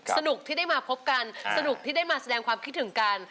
สนุกที่ได้มาพบกันสนุกที่ได้มาแสดงความคิดถึงกัน